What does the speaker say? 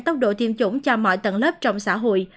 tốc độ tiêm chủng cho mọi tầng lớp trong xã hội